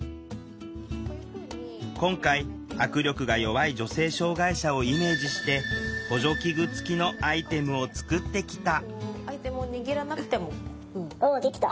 今回握力が弱い女性障害者をイメージして補助器具付きのアイテムを作ってきたおできた。